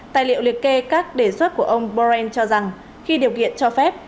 tài liệu liệt kê các đề xuất của ông boren cho rằng khi điều kiện cho phép